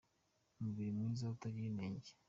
Umubiri mwiza utagira inenge